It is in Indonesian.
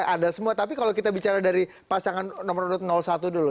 ada semua tapi kalau kita bicara dari pasangan nomor satu dulu